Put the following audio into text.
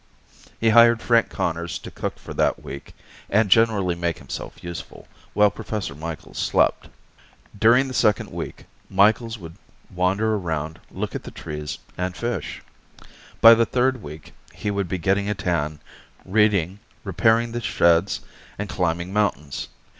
He hired Frank Conners to cook for that week and generally make himself useful, while Professor Micheals slept. During the second week, Micheals would wander around, look at the trees and fish. By the third week he would be getting a tan, reading, repairing the sheds and climbing mountains.